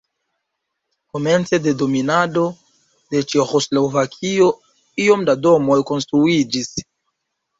Komence de dominado de Ĉeĥoslovakio iom da domoj konstruiĝis.